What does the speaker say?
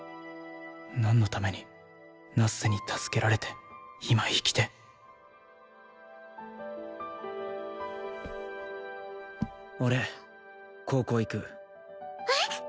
何のためにナッセに助けられて今生きて俺高校行くえっ？